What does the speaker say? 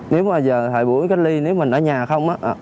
nếu mà giờ thời buổi cách ly nếu mình ở nhà không